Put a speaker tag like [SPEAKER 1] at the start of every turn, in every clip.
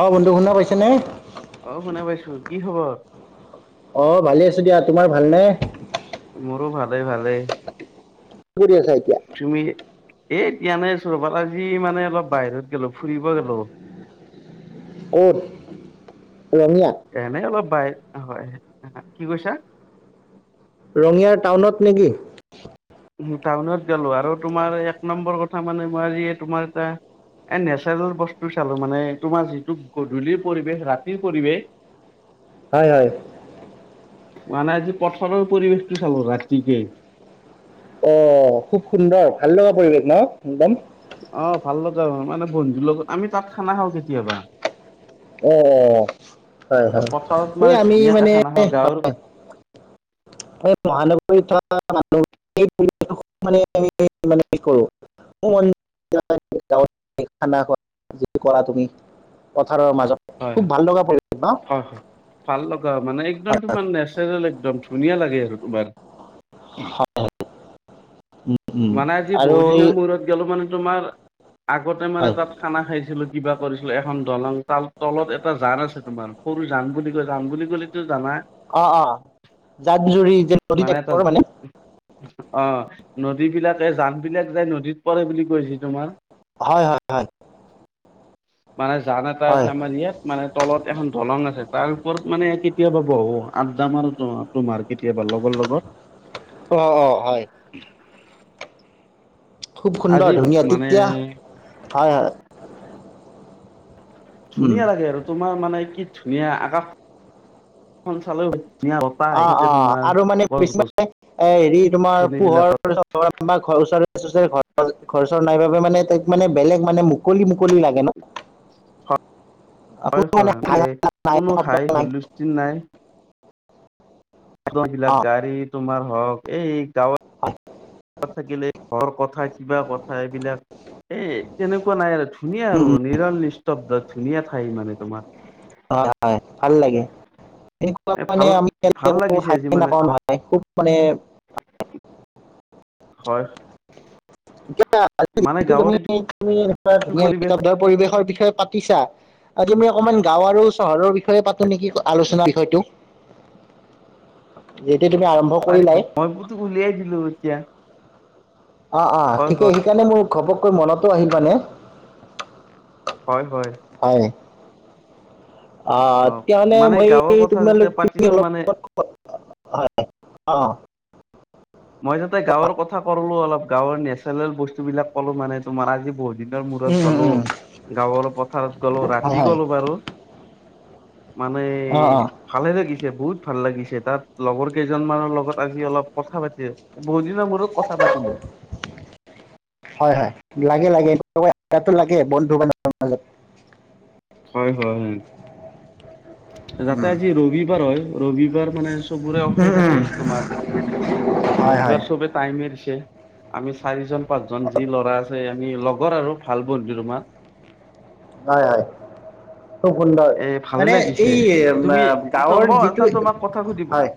[SPEAKER 1] অঁ বন্ধু শুনা পাইছানে?
[SPEAKER 2] অ শুনা পাইছো কি খবৰ?
[SPEAKER 1] অ ভালে আছো দিয়া তোমাৰ ভাল নে?
[SPEAKER 2] মোৰো ভালে ভালেই।
[SPEAKER 1] কৰি আছা এতিয়া?
[SPEAKER 2] এ এতিয়া ৰবা আজি মানে অলপ বাহিৰত গেলো ফুৰিব গেলো,
[SPEAKER 1] ক'ত ৰঙিয়া?
[SPEAKER 2] এনে অলপ হয় কি কৈছা?
[SPEAKER 1] ৰঙিয়াৰ টাউনত নেকি?
[SPEAKER 2] টাউনত গেলো আৰু তোমাৰ এক নম্বৰ কথা মানে মই আজি তোমাৰ এটা এ নেচাৰেল বস্তু চালো মানে তোমাৰ যিটো গধূলিৰ পৰিৱেশ ৰাতিৰ পৰিৱেশ।
[SPEAKER 1] হয় হয়
[SPEAKER 2] মানে আজি পথাৰৰ পৰিৱেশটো চালো ৰাতিকে
[SPEAKER 1] অ খুব সুন্দৰ ভাল লগা পৰিৱেশ ন একদম।
[SPEAKER 2] অ ভাল লগা হয় মানে বন্ধুৰ লগত আমি তাত খানা খাওঁ কেতিয়াবা।
[SPEAKER 1] অ অ হয় হয়,
[SPEAKER 2] পথাৰত
[SPEAKER 1] এই
[SPEAKER 2] মানে
[SPEAKER 1] আমি
[SPEAKER 2] ধুনীয়াকে
[SPEAKER 1] মানে
[SPEAKER 2] খানা খাওঁ গাঁৱৰ
[SPEAKER 1] অ মহানগৰীত থ [inaudible] [inaudible] কাৰ মাজত
[SPEAKER 2] হয় হয়
[SPEAKER 1] খুব ভাল লগা পৰি
[SPEAKER 2] হয়, হয়, ভাল লগা মানে একদম
[SPEAKER 1] হয় হয়
[SPEAKER 2] তোমাৰ নেচাৰ ৰেল একদম ধুনীয়া লাগে আৰু তোমাৰ।
[SPEAKER 1] উম
[SPEAKER 2] মানে আজি
[SPEAKER 1] আৰু
[SPEAKER 2] বহুত
[SPEAKER 1] এই
[SPEAKER 2] দিনৰ মূৰত গেলো মানে তোমাৰ আগতে মানে
[SPEAKER 1] হয়
[SPEAKER 2] তাত খানা খাইছিলোঁ, কিবা কৰিছিলোঁ এখন দলং তাল তলত এটা জান আছে তোমাৰ সৰু জান বুলি কয় জান বুলি ক'লিতো জানা?
[SPEAKER 1] অ অ জান জুৰি যে নদী
[SPEAKER 2] মানে এটা
[SPEAKER 1] টাইপৰ
[SPEAKER 2] অ', ন দীবিলাকে জানবিলাক যায় নদীত পৰে বুলি কয় যি তোমাৰ।
[SPEAKER 1] হয়, হয়, হয়।
[SPEAKER 2] মানে জান এটা আছে
[SPEAKER 1] হয়
[SPEAKER 2] আমাৰ ইয়াত, মানে তলত এখন দলং আছে। তাৰ ওপৰত মানে কেতিয়াবা বহু আড্ডা মাৰো তোমাৰ কেতিয়াবা লগৰ লগত।
[SPEAKER 1] অ', অ', হয়। খুব
[SPEAKER 2] আজি
[SPEAKER 1] সুন্দৰ ধুনীয়া
[SPEAKER 2] মানে
[SPEAKER 1] তিতিয়া হয়, হয়। উম
[SPEAKER 2] ধুনীয়া লাগে আৰু তোমাৰ মানে কি ধুনীয়া আকাশখন চালে
[SPEAKER 1] অ', অ', আৰু মানে বেছিমানে এ হেৰি তোমাৰ
[SPEAKER 2] গছনিবিলাকত
[SPEAKER 1] পোহৰ বা ঘৰ ওচৰ [unintelligible] ঘৰ চৰ নাই বাবে মানে তাত বেলেগ মানে মুকলি মুকলি লাগে ন'? কোনো
[SPEAKER 2] হয়,
[SPEAKER 1] মানে হাই
[SPEAKER 2] হয়,
[SPEAKER 1] হাল্লা নাই
[SPEAKER 2] কোনো
[SPEAKER 1] শব্দ
[SPEAKER 2] হাই
[SPEAKER 1] নাই
[SPEAKER 2] হুলস্থূল নাই।
[SPEAKER 1] [inaudible] অ
[SPEAKER 2] বিলাক গাড়ী তোমাৰ হওঁক এই গাঁৱত
[SPEAKER 1] হয়
[SPEAKER 2] থাকিলে ঘৰ কথা কিবা কথা এইবিলাক এ তেনেকুৱা নাই আৰু ধুনীয়া
[SPEAKER 1] উম
[SPEAKER 2] আৰু
[SPEAKER 1] উম
[SPEAKER 2] নিৰল নিস্তব্ধ, ধুনীয়া ঠাই মানে তোমাৰ।
[SPEAKER 1] হয়, হয়, ভাল লাগে। সে
[SPEAKER 2] এ ভাল
[SPEAKER 1] আমি
[SPEAKER 2] ভাল লাগিছে আজি মানে
[SPEAKER 1] [unintelligible] খুব মানে [inaudible]
[SPEAKER 2] হয়। মানে গাঁৱত এইটো পৰিৱেশ
[SPEAKER 1] [unintelligible] পৰিবেশৰ বিষয়ে পাতিছা? আজি আমি অকণমান গাওঁ আৰু চহৰৰ বিষয়ে পাতোঁ নেকি? আলোচনাৰ বিষয়টো। এই
[SPEAKER 2] [unintelligible] উলিয়াই দিলোঁ এতিয়া।
[SPEAKER 1] অ, অ,
[SPEAKER 2] হয়
[SPEAKER 1] ঠিকে,
[SPEAKER 2] হয়
[SPEAKER 1] সেইকাৰণে মোৰ ঘপককৈ মনতো আহিল মানে।
[SPEAKER 2] হয়। হয়
[SPEAKER 1] হয়। অ,
[SPEAKER 2] মানে গাঁৱৰ
[SPEAKER 1] [unintelligible]
[SPEAKER 2] কথা
[SPEAKER 1] তুমি অলপ
[SPEAKER 2] যেতিয়া পাতিছো মানে
[SPEAKER 1] হয়, অ।
[SPEAKER 2] মই যাতে গাঁৱৰ কথা কলোঁ, অলপ গাঁৱৰ নেচাৰেল বস্তুবিলাক ক'লো মানে তোমাৰ আজি বহুত দিন মূৰত
[SPEAKER 1] উম উম
[SPEAKER 2] গ'লো,
[SPEAKER 1] উম
[SPEAKER 2] গাঁৱৰ পথাৰত গলোঁ,
[SPEAKER 1] হয়
[SPEAKER 2] ৰাতি
[SPEAKER 1] হয়
[SPEAKER 2] গ'লো বাৰু। মানে
[SPEAKER 1] অ অ
[SPEAKER 2] ভালে লাগি বহুত ভাল লাগিছে, তাত লগৰ কেইজনমানৰ লগত আজি অলপ কথা পাত বহুতদিনৰ মূৰত কথা পাতিলোঁ।
[SPEAKER 1] হয়, হয়, লাগে-লাগে [unintelligible] লাগে বন্ধু-বান্ধৱৰ মাজত।
[SPEAKER 2] হয়, হয়, হয়।
[SPEAKER 1] [inaudible]
[SPEAKER 2] যাতে আজি ৰবিবাৰ হয়, ৰবিবাৰ মানে চবৰে
[SPEAKER 1] উম
[SPEAKER 2] অফেই
[SPEAKER 1] উম
[SPEAKER 2] থাকে তোমাৰ।
[SPEAKER 1] হয় হয়
[SPEAKER 2] ৰবিবাৰ চবে টাইমে দিছে। আমি চাৰিজন-পাঁচজন যি ল'ৰা আছোঁ, আমি লগৰ আৰু ভাল বন্ধু তোমাৰ।
[SPEAKER 1] হয়, হয়। খুব সুন্দৰ,
[SPEAKER 2] এ ভালে
[SPEAKER 1] মানে
[SPEAKER 2] লাগিছে
[SPEAKER 1] এই আ
[SPEAKER 2] তুমি ত
[SPEAKER 1] গাঁৱৰ
[SPEAKER 2] মই এটা
[SPEAKER 1] যিটো
[SPEAKER 2] তোমাক কথা সুধিব
[SPEAKER 1] হয়। [inaudible]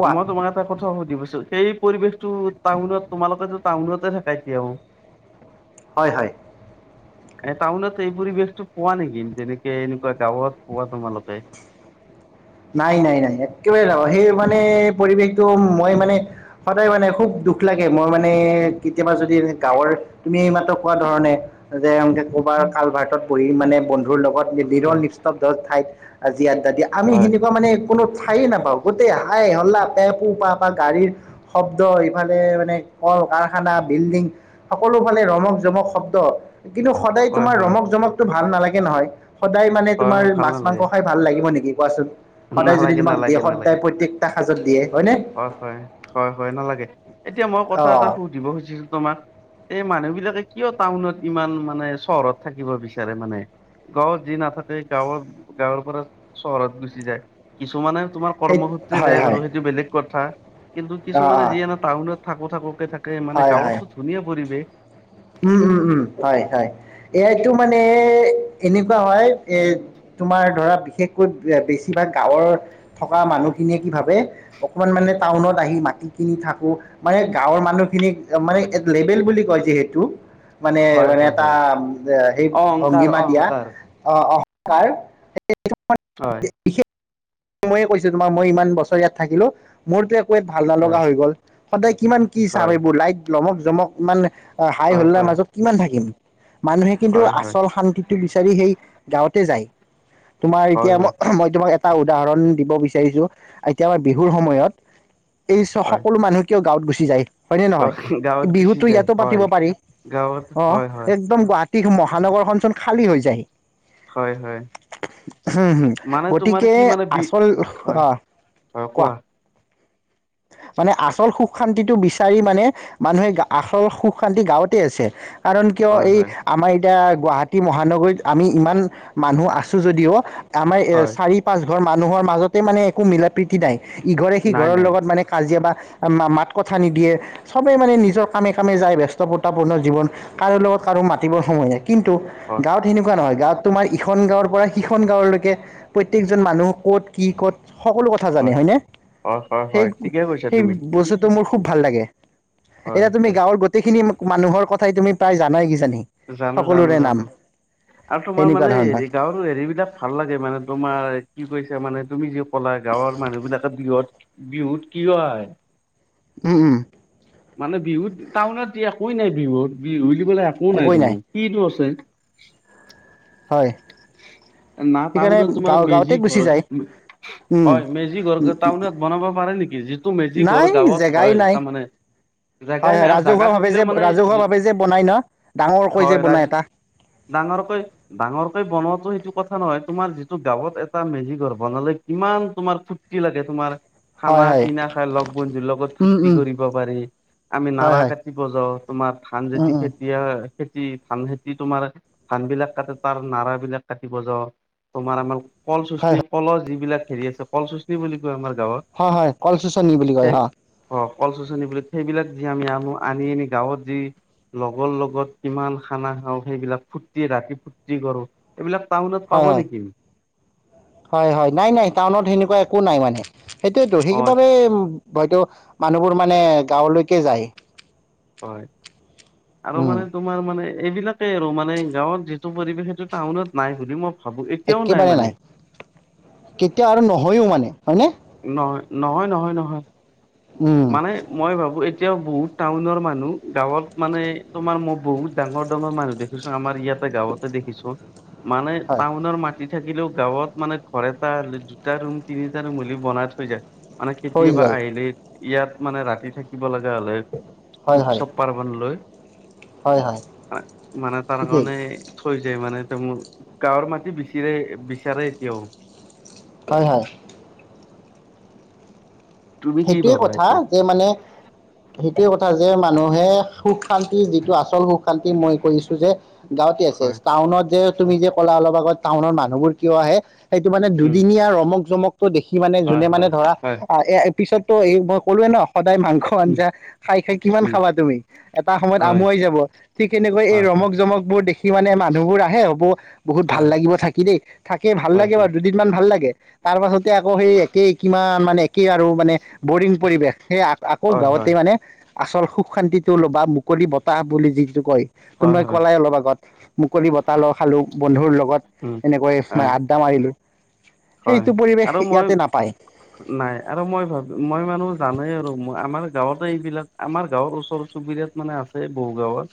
[SPEAKER 1] কোৱা
[SPEAKER 2] মই তোমাক এটা কথা সুধিবো সেই পৰিৱেশটো টাউনত, তোমালোকেতো টাউনতে থাকা এতিয়াও।
[SPEAKER 1] হয়, হয়।
[SPEAKER 2] এ টাউনত এই পৰিৱেশত পোৱা নেকি? যেনেকে এনেকুৱা গাঁৱত পোৱা তোমালোকে।
[SPEAKER 1] নাই, নাই, নাই, একেবাৰে সেই মানে পৰিৱেশটো মই মানে সদায় মানে খুব দুখ লাগে, মই মানে কেতিয়াবা যদি এ গাঁৱৰ তুমি এই মাত্ৰ কোৱা ধৰণে, যে কবাৰ কলভাৰটোত বহি মানে বন্ধুৰ লগত
[SPEAKER 2] হয়
[SPEAKER 1] নিলিৰো-নিস্তব্ধ ঠাইত, আজি আড্ডা দি আমি সে
[SPEAKER 2] হয়
[SPEAKER 1] মানে কোনো ঠাই নাপাওঁ, গোটেই হাই-হল্লা, পেপু-পাপা, গাড়ীৰ শব্দ ইফালে মানে কলখানা, বিল্ডিং, সকলো ফালে ৰমক-জমক শব্দ। কিন্তু সদায়
[SPEAKER 2] হয়
[SPEAKER 1] তোমাৰ
[SPEAKER 2] হয়
[SPEAKER 1] ৰমক-জমকটো ভাল নালাগে নহয়। সদায় মানে তোমাৰ
[SPEAKER 2] হয় ভাল
[SPEAKER 1] মাছ-মাংস
[SPEAKER 2] নালাগে
[SPEAKER 1] খাই ভাল লাগিব নেকি কোৱাচোন, সদায় যদি
[SPEAKER 2] নালাগে
[SPEAKER 1] তোমাক দিয়ে
[SPEAKER 2] নালাগে নালাগে
[SPEAKER 1] সদায় প্ৰত্যেকটা হাজত দিয়ে। হয়নে?
[SPEAKER 2] হয়, হয়, হয়, হয়, নালাগে, এতিয়া মই কথা এটা
[SPEAKER 1] অ'
[SPEAKER 2] সুধিব খুজিছো তোমাক। এই মানুহবিলাকে কিয় টাউনত ইমান মানে চহৰত থাকিব বিচাৰে মানে। গাঁৱত যি নাথাকে গাঁৱত-গাঁৱৰ পৰা চহৰত গুচি যায়, কিছুমানে
[SPEAKER 1] সেই
[SPEAKER 2] তোমাৰ
[SPEAKER 1] হয়
[SPEAKER 2] যায়
[SPEAKER 1] হয়
[SPEAKER 2] বাৰু সেইটো বেলেগ কথা, কিন্তু
[SPEAKER 1] অ'
[SPEAKER 2] কিছুমানে
[SPEAKER 1] অ'
[SPEAKER 2] যিয়ে টাউনত থাকো-থাকো কে মানে
[SPEAKER 1] হয় হয়
[SPEAKER 2] গাঁৱততো ধুনীয়া পৰিৱেশ।
[SPEAKER 1] উম, উম, উম, হয়, হয়, এইটো মানে এনেকুৱা হয় এ তোমাৰ ধৰা বিশেষকৈ বেছিভাগ গাঁৱৰ থকা মানু খিনিয়ে কি ভাবে, অকণমান মানে টাউনত আহি মাটি কিনি থাকো, মানে গাঁৱৰ মানুহখিনি মানে লেবেল বুলি কয় যে টো মানে,
[SPEAKER 2] হয়
[SPEAKER 1] মানে
[SPEAKER 2] হয়
[SPEAKER 1] এটা
[SPEAKER 2] হয়
[SPEAKER 1] সেই
[SPEAKER 2] অহংকাৰ
[SPEAKER 1] ভংগীমা দিয়া,
[SPEAKER 2] অহংকাৰ
[SPEAKER 1] অ কাৰ
[SPEAKER 2] হয়।
[SPEAKER 1] মইয়ে কৈছো তোমাৰ মই ইমান বছৰ ইয়াত থাকিলো, মোৰতো একো ইয়াত ভাল
[SPEAKER 2] হয়
[SPEAKER 1] নলগা হৈ গল, সদায় কিমান কি চাম
[SPEAKER 2] হয়
[SPEAKER 1] এইবোৰ লাইট লমক জমক ইমান হাই
[SPEAKER 2] হয়
[SPEAKER 1] হোল্লাৰ
[SPEAKER 2] হয়
[SPEAKER 1] মাজত কিমান থাকিম, মানুহে কিন্তু
[SPEAKER 2] হয় হয়
[SPEAKER 1] আচল শান্তিটো বিচাৰি সেই গাঁৱতে যাই, তোমাৰ
[SPEAKER 2] হয়
[SPEAKER 1] এতিয়া
[SPEAKER 2] হয়
[SPEAKER 1] মই মই তোমাক এটা উদাহৰণ দিব বিচাৰিছো এতিয়া আমাৰ বিহুৰ সময়ত, এই
[SPEAKER 2] হয়
[SPEAKER 1] সকলো মানুহ কিয় গাঁৱত গুচি যায়? হয়নে নহয়,
[SPEAKER 2] গাঁৱত গুচি
[SPEAKER 1] বিহুতো
[SPEAKER 2] যায়
[SPEAKER 1] ইয়াতো পাতিব
[SPEAKER 2] হয়
[SPEAKER 1] পাৰি
[SPEAKER 2] গাঁৱত
[SPEAKER 1] অ'
[SPEAKER 2] হয় হয়
[SPEAKER 1] একদম গুৱাত মহানগৰখনচোন খালী হৈ যায়।
[SPEAKER 2] হয় হয়
[SPEAKER 1] উম হম,
[SPEAKER 2] মানে তোমাৰ
[SPEAKER 1] গতিকে
[SPEAKER 2] কি মানে বি
[SPEAKER 1] আচল
[SPEAKER 2] হয়
[SPEAKER 1] আহ, কোৱা মানে আচল সুখ শান্তিটো বিচাৰি মানে, মানুহে আচল সুখ শান্তি গাঁৱতে আছে। কাৰণ কিয়
[SPEAKER 2] হয়
[SPEAKER 1] এই
[SPEAKER 2] হয়
[SPEAKER 1] আমাৰ এতিয়া গুৱাহাটী মহানগৰীত আমি ইমান মানুহ আছো যদিও আমাৰ
[SPEAKER 2] হয়
[SPEAKER 1] চাৰি প ধৰ মানুহৰ মাজতে মানে একো মিলা প্ৰীতি নাই ইঘৰে
[SPEAKER 2] নাই
[SPEAKER 1] সিঘৰৰ
[SPEAKER 2] নাই
[SPEAKER 1] লগত মানে কাজিয়া বা মাত কথা নিদিয়ে সবে মানে নিজৰ কামে কামে যায় বস্ততাপূৰ্ণ জীৱন কাৰো লগত আৰু মাতিৰ সময় নাই। কিন্তু
[SPEAKER 2] হয়
[SPEAKER 1] গাঁৱত সেনেকুৱা নহয় গাঁৱত তোমাৰ ইখন গাঁৱৰ পৰা সিখন গাঁৱ এজন মানুহ ক'ত কি ক'ত সকলো কথা জানে
[SPEAKER 2] হয়
[SPEAKER 1] হয়নে?
[SPEAKER 2] হয় হয়
[SPEAKER 1] সেই,
[SPEAKER 2] হয় ঠিকে কৈছা
[SPEAKER 1] সেই
[SPEAKER 2] তুমি
[SPEAKER 1] বস্তুটো মোৰ খুব ভাল লাগে। [inaudible]
[SPEAKER 2] হয়
[SPEAKER 1] এতিয়া তুমি
[SPEAKER 2] হয়
[SPEAKER 1] গাঁৱৰ গোটেইখিনি মানুহৰ কথাই তুমি প্ৰায় জানাই কিজানি,
[SPEAKER 2] জানো জানো
[SPEAKER 1] সকলোৰে নাম।
[SPEAKER 2] জানো আৰু তোমাৰ
[SPEAKER 1] সেনেকুৱা
[SPEAKER 2] মানে
[SPEAKER 1] ধৰণৰ
[SPEAKER 2] হেৰি গাঁৱৰ হেৰি বিলাক ভাল লাগে মানে তোমাৰ কি কৈছা মানে তুমি যি কলা গাঁৱৰ মানুহ বিলাকে বিহত বিহুত কিয় আহে
[SPEAKER 1] উম উম
[SPEAKER 2] মানে বিহুত টাউনত একোৱেই নাই বিহুত বিহুবুলি ক'লে একো নাই তোমাৰ কিটো আছে? [unintelligible]
[SPEAKER 1] হয়।
[SPEAKER 2] না
[SPEAKER 1] সেইকাৰণে
[SPEAKER 2] টাউনত তোমাৰ
[SPEAKER 1] গাঁও গাঁৱতে
[SPEAKER 2] মেজি ঘৰ
[SPEAKER 1] গুচি যায় উম
[SPEAKER 2] হয় মেজি ঘৰ টাউনত বনাব পাৰে নেকি? টো মেজি ঘৰ
[SPEAKER 1] নাই
[SPEAKER 2] গাঁৱত
[SPEAKER 1] জেগাই
[SPEAKER 2] হয়
[SPEAKER 1] নাই
[SPEAKER 2] তাৰমানে
[SPEAKER 1] হয়
[SPEAKER 2] জাগাই
[SPEAKER 1] হয়
[SPEAKER 2] নাই আৰু
[SPEAKER 1] ৰাজহুৱা
[SPEAKER 2] জাগা
[SPEAKER 1] ভাৱে
[SPEAKER 2] থাকিলেও
[SPEAKER 1] যে
[SPEAKER 2] মানে,
[SPEAKER 1] ৰাজহুৱা ভাৱে যে বনাই ন ডাঙৰকৈ যে
[SPEAKER 2] হয় ৰা
[SPEAKER 1] বনাই এটা
[SPEAKER 2] ডাঙৰকৈ, ডাঙৰকৈ বনত সেইটো কথা নহয় তোমাৰ যিটো গাঁৱত এটা মেজি ঘৰ বনালে কিমান তোমাৰ ফূৰ্তি লাগে তোমাৰ খানা
[SPEAKER 1] হয় হয়
[SPEAKER 2] -পিনা খাই লগ- বন্ধুৰ লগত
[SPEAKER 1] উম
[SPEAKER 2] ফূুৰ্তি
[SPEAKER 1] উম
[SPEAKER 2] কৰিব পাৰি আমি
[SPEAKER 1] হয়
[SPEAKER 2] নাৰা
[SPEAKER 1] হয়
[SPEAKER 2] কাটিব যাওঁ তোমাৰ ধান
[SPEAKER 1] উম
[SPEAKER 2] যেতি
[SPEAKER 1] উম
[SPEAKER 2] খেতি হয় খেতি ধান খেতি তোমাৰ ধান বিলাক কাটে তাৰ নাৰা বিলাক কাটে যাওঁ তোমাৰ আমাৰ কল
[SPEAKER 1] হয়
[SPEAKER 2] শচনি
[SPEAKER 1] হয়
[SPEAKER 2] কলৰ যিবিলাক হেৰি আছে কল শচনি বুলি কয় আমাৰ গাঁৱত
[SPEAKER 1] হয় হয় কল চোচনি বুলি কয়
[SPEAKER 2] সেই
[SPEAKER 1] হয়।
[SPEAKER 2] অ কল চচনি বিলাক সেইবিলাক যি আমি আনো আনি আনি গাঁৱত যি লগৰ লগত কিমান খানা খাওঁ সেইবিলাক ফূৰ্তি ৰাতি ফুৰ্তি কৰোঁ, এইবিলাক টাউনত পাব
[SPEAKER 1] হয় হয়
[SPEAKER 2] নেকি?
[SPEAKER 1] হয় হয় নাই নাই টাউনত সেনেকুৱা একো নাই মানে সেইটোয়েতো
[SPEAKER 2] হয়
[SPEAKER 1] সেইবাবে হয়তো মানুহবোৰ মানে গাঁৱলৈকে যায়।
[SPEAKER 2] হয়, আৰু
[SPEAKER 1] উম
[SPEAKER 2] মানে তোমাৰ মানে এইবিলাকে আৰু মানে গাঁৱত যিটো পৰিৱেশ সেইটো টাউনত নাই বুলি মই ভাবো এতিয়াও
[SPEAKER 1] একেবাৰে
[SPEAKER 2] মানে
[SPEAKER 1] নাই, কেতিয়া আৰু নহয়ও মানে হয় নে?
[SPEAKER 2] নহয় নহয় নহয় নহয়,
[SPEAKER 1] উম
[SPEAKER 2] মানে মই ভাবো এই এতিয়াও বহুত টাউনৰ মানুহ গাঁৱত মানে তোমাৰ মই বহুত ডাঙৰ ডাঙৰ মানুহ দেখিছো আমাৰ ইয়াত এটা গাঁৱতে দেখিছো মানে
[SPEAKER 1] হয়
[SPEAKER 2] টাউনৰ মাটি থাকিলেও গাঁৱত মানে ঘৰ এটা দুটা ৰুম তিনিটা ৰুম হল বনাই থৈ যায় মানে,
[SPEAKER 1] হৈ
[SPEAKER 2] কেতিয়াবা
[SPEAKER 1] যায়
[SPEAKER 2] আহিলে ইয়াত মানে ৰাতি থাকিব লাগে। তে হলে
[SPEAKER 1] হয় হয়
[SPEAKER 2] উৎসৱ -পাৰ্বন লৈ।
[SPEAKER 1] হয় হয়
[SPEAKER 2] মানে তাৰ
[SPEAKER 1] ঠিকেই
[SPEAKER 2] কাৰণে থৈ যায় মানে ম গাঁৱৰ মাটি বিচিৰে বিচাৰে এতিয়াও
[SPEAKER 1] হয়, হয়।
[SPEAKER 2] তুমি কি
[SPEAKER 1] সেইটোৱে
[SPEAKER 2] ভাবা
[SPEAKER 1] কথা
[SPEAKER 2] এতিয়া
[SPEAKER 1] যে মানে সেইটোৱে কথা যে মানুহে সুখ শান্তি যিটো আচল সুখ শান্তি মই কৰিছো যে গাঁৱতে আছে
[SPEAKER 2] হয়
[SPEAKER 1] টাউনত যে তুমি যে ক'লা অলপ আগত টাউনৰ মানুহবোৰ কিয় আহে সেইটো মানে
[SPEAKER 2] উম
[SPEAKER 1] দুদিনীয়া ৰমক জমক দেখি মানে
[SPEAKER 2] হয়
[SPEAKER 1] যোনে মানে
[SPEAKER 2] হয়
[SPEAKER 1] ধৰা
[SPEAKER 2] হয়
[SPEAKER 1] এ পিছতো এই মই ক'লোৱে ন সদায় মাংস
[SPEAKER 2] উম
[SPEAKER 1] আঞ্জা খাই খাই কিমান
[SPEAKER 2] উম
[SPEAKER 1] খাবা তুমি এটা সময়ত
[SPEAKER 2] হয়
[SPEAKER 1] আমুৱাই যাব ঠিক সনেকৈ এই ৰ
[SPEAKER 2] হয় হয়
[SPEAKER 1] ৰমক -জমকবোৰ দেখি মানে মানুহবোৰ আহে হ বহুত ভাল
[SPEAKER 2] হয়
[SPEAKER 1] লাগিব থাকি দেই থাকেই ভাল
[SPEAKER 2] হয়
[SPEAKER 1] লাগে
[SPEAKER 2] হয়
[SPEAKER 1] বাৰু দুদিনমান ভাল লাগে তাৰ পাছতে আকৌ সেই একেই কিমান মানে একেই আৰু মানে বৰিং পৰিৱেশ সেই আকৌ
[SPEAKER 2] হয় হয়
[SPEAKER 1] গাঁৱতে মানে আচল সুখ শান্তিটো ল বা মুকলি বতাহ বুলি যিটো কয়
[SPEAKER 2] হয়
[SPEAKER 1] তুমি
[SPEAKER 2] হয়
[SPEAKER 1] কলাই অলপ আগত মুকলি বতাহ ল খালো বন্ধুৰ লগত
[SPEAKER 2] উম
[SPEAKER 1] এনেকৈ মে
[SPEAKER 2] হয়
[SPEAKER 1] আড্ডা মাৰিলো
[SPEAKER 2] হয় আৰু মই
[SPEAKER 1] নাপায়
[SPEAKER 2] নাই আৰু মই ভাব মই মানুহ জানেই আৰু আমাৰ গাঁৱতে এইবিলাক আমাৰ গাঁৱৰ ওচৰ চুবুৰীয়াত মানে আছে বহু গাঁওত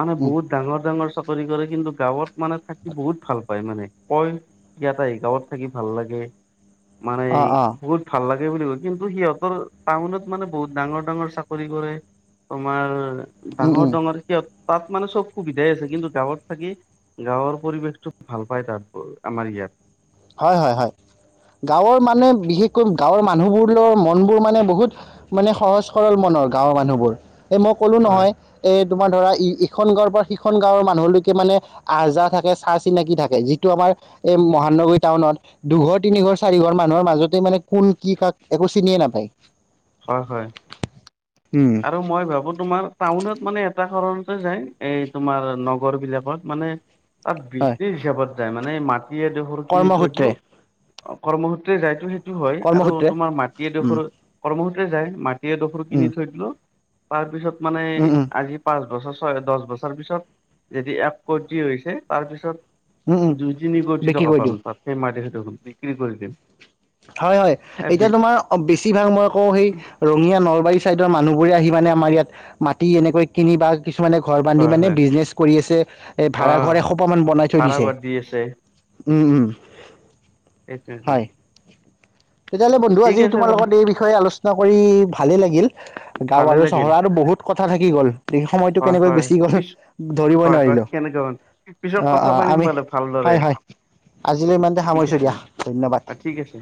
[SPEAKER 2] মানে
[SPEAKER 1] উম,
[SPEAKER 2] বহুত ডাঙৰ ডাঙৰ চাকৰি কৰে কিন্তু গাঁৱত মানে থাকি বহুত ভাল পায় মানে কয় ইয়াত আহি গাঁৱত থ ভাল লাগে মানে
[SPEAKER 1] অ' অ'
[SPEAKER 2] বহুত ভাল লাগ বুলি কয় কিন্তু সিহঁতৰ টাউনত মানে বহুত ডাঙৰ ডাঙৰ চাকৰি কৰে তোমাৰ
[SPEAKER 1] উম,
[SPEAKER 2] ডাঙৰ
[SPEAKER 1] উম,
[SPEAKER 2] ডাঙৰ সিহত তাত মানে চব সুবিধাই আছে কিন্তু গাঁৱত থাকি গাঁৱৰ পৰিৱেশটো ভাল পায় তাত আমাৰ ইয়াত
[SPEAKER 1] হয় হয় হয় গাঁৱৰ মানে বিশেষকৈ গাঁৱৰ মানুহবোৰৰ মন বোৰ মানে বহুত মানে সহজ সৰল মন গাঁৱৰ মানুহবোৰ এই মই ক'লো
[SPEAKER 2] হয়
[SPEAKER 1] নহয় এই। তোমাৰ ধৰা ইখন গাঁৱৰ পৰা সিখন গাঁওৰ মানুহলৈকে মানে আহ যাহ থাকে চাহ চিনাকি থাকে যিটো আমাৰ এই মহানগৰীত টাউনত দুঘৰ তিনি ঘৰ চাৰি ঘৰ মানুহৰ মাজতে মানে কোন কি কাক একো চিনিয়ে নাপায়
[SPEAKER 2] হয় হয়।
[SPEAKER 1] উম,
[SPEAKER 2] আৰু মই ভাবো তোমাৰ টাউনত মানে উদাহৰণতে যায় এই তোমাৰ নগৰ বিলাকত মানে তাত
[SPEAKER 1] হয়
[SPEAKER 2] বিজনেচ হিচাপত। মানে মাটি দোখৰ কিনি
[SPEAKER 1] কৰ্মসূত্ৰে
[SPEAKER 2] থৈটো কৰ্মসূত্ৰে যাইতো সেই হয় আৰু
[SPEAKER 1] কৰ্মসূত্ৰে
[SPEAKER 2] তোমাৰ
[SPEAKER 1] উম
[SPEAKER 2] মাটিডোখৰ কৰ্মসূত্ৰে যায় মাটি এডোখৰো
[SPEAKER 1] উম
[SPEAKER 2] কিনি থৈ তাৰ পিছত মানে
[SPEAKER 1] উম উম
[SPEAKER 2] আজি পাচ। বছৰ ছয় দহ বছৰ পিছত যদি এক কোটি হৈছে
[SPEAKER 1] উম উম
[SPEAKER 2] তাৰপিছত। দুই তিনি কোটি
[SPEAKER 1] বিক্ৰী
[SPEAKER 2] টকা
[SPEAKER 1] কৰি দিওঁ
[SPEAKER 2] পাম। তাতকৈ মই দেহে দেখোন বিক্ৰী কৰি দিম।
[SPEAKER 1] হয়, হয়
[SPEAKER 2] এ
[SPEAKER 1] এতিয়া
[SPEAKER 2] বি
[SPEAKER 1] তোমাৰ বেছিভাগ মই আকৌ সেই ৰঙীয়া নলবাৰী চাইদ মানুহ বোৰে আহি মানে আমাৰ ইয়াত মাটি এনেকৈ কিনি বা কিছুমানে ঘৰ বান্ধি
[SPEAKER 2] হয়
[SPEAKER 1] মানে
[SPEAKER 2] হয়
[SPEAKER 1] বিজনেছ কৰি আছে ভাড়া ঘৰে সোপামান বনাই থৈ দিছে।
[SPEAKER 2] দে
[SPEAKER 1] উম, উম।
[SPEAKER 2] সেইটোৱেতো
[SPEAKER 1] হয় তেতিয়াহ'লে বন্ধু আজি তোমাৰ লগত এই বিষয়ে আলোচনা কৰি ভালেই লাগিল। গাঁও
[SPEAKER 2] ভালে
[SPEAKER 1] আৰু
[SPEAKER 2] লাগিল
[SPEAKER 1] চহৰ আৰু বহুত কথা থাকি গ'ল সেই সময়তটো
[SPEAKER 2] হয়
[SPEAKER 1] কেনেকৈ
[SPEAKER 2] হয়
[SPEAKER 1] গুচি গ'ল
[SPEAKER 2] পিছ
[SPEAKER 1] ধৰিবই
[SPEAKER 2] হয় হয়
[SPEAKER 1] নোৱাৰিলো
[SPEAKER 2] কেনেকুৱা পিছত
[SPEAKER 1] অ
[SPEAKER 2] কথা পাতিম
[SPEAKER 1] আমি
[SPEAKER 2] বাৰু ভালদৰে
[SPEAKER 1] হয় হয় আজিলৈ ইমানতে
[SPEAKER 2] ঠিক
[SPEAKER 1] সামৰিছোঁ
[SPEAKER 2] আছে
[SPEAKER 1] দিয়া ধন্যবাদ
[SPEAKER 2] ঠিক আছে